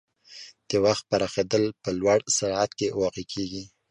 د وخت پراخېدل په لوړ سرعت کې واقع کېږي.